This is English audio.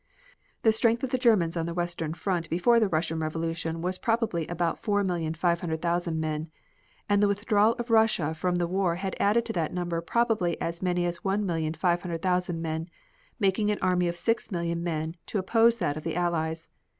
The strength of the Germans on the western front before the Russian Revolution was probably about four million five hundred thousand men, and the withdrawal of Russia from the war had added to that number probably as many as one million five hundred thousand men, making an army of six million men to oppose that of the Allies.